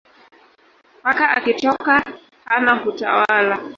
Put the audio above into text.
Paka akitoka pana hutawala